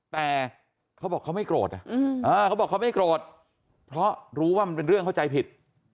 แต่เขาบอกเขาไม่โกรธเขาบอกเขาไม่โกรธเพราะรู้ว่ามันเป็นเรื่องเข้าใจผิด